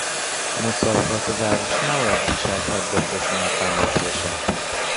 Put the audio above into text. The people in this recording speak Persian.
مسابقات ورزشی نباید بیش از حد با خشونت همراه باشد.